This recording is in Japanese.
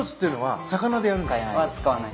使わない。